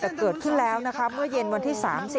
แต่เกิดขึ้นแล้วนะคะเมื่อเย็นวันที่๓๐